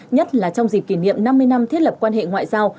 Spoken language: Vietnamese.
nhất là trong dịp kỷ niệm năm mươi năm thiết lập quan hệ ngoại giao